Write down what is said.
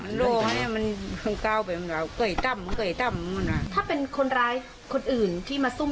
หรือความเยี่ยม